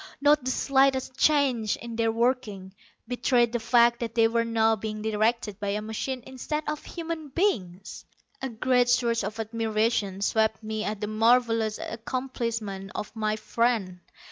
Not the slightest change in their working betrayed the fact that they were now being directed by a machine instead of human beings. A great surge of admiration swept me at the marvelous accomplishment of my friend.